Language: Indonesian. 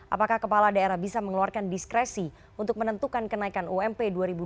apakah kepala daerah bisa mengeluarkan diskresi untuk menentukan kenaikan ump dua ribu dua puluh